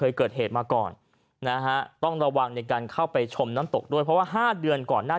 ยืนรูปหน้าผาโดยเด็ดกลาด